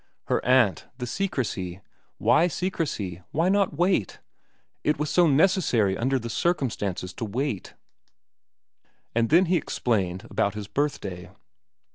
Her aunt ; the secrecy ; why secrecy ; why not wait ; it was so necessary under the circumstances to wait. And then he explained about his birthday.